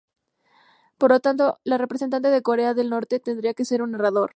Por lo tanto, el representante de Corea del Norte tendría que ser un nadador.